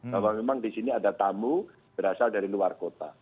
kalau memang disini ada tamu berasal dari luar kota